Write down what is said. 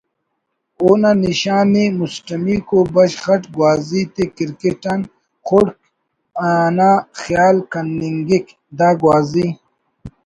اونا نشانءِ مسٹمیکو بشخ اٹ گوازی تے کرکٹ آن خڑک انا خیال کننگک دا گوازی